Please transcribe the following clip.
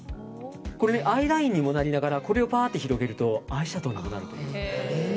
これ、アイラインにもなりながらこれをパーッと広げるとアイシャドーにもなる。